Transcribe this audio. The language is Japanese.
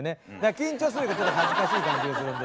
緊張するいうかちょっと恥ずかしい感じがするんですよ。